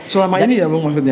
selama ini ya maksudnya